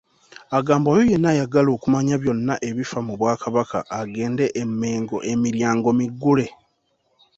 Agamba oyo yenna ayagala okumanya byonna ebifa mu Bwakabaka agende e Mengo emiryango miggule.